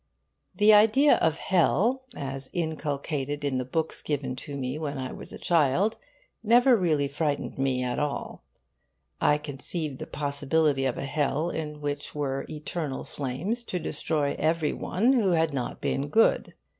The idea of hell, as inculcated in the books given to me when I was a child, never really frightened me at all. I conceived the possibility of a hell in which were eternal flames to destroy every one who had not been good.